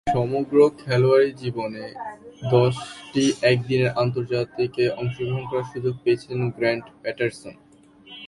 সমগ্র খেলোয়াড়ী জীবনে দশটি একদিনের আন্তর্জাতিকে অংশগ্রহণ করার সুযোগ পেয়েছিলেন গ্র্যান্ট প্যাটারসন।